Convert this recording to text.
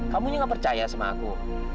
kamu yang gak percaya sama aku